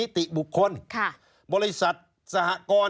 ชีวิตกระมวลวิสิทธิ์สุภาณฑ์